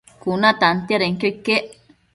Cuna tantiadenquio iquec